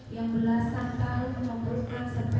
yang belasan tahun membutuhkan sepeda